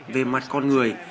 về mặt con người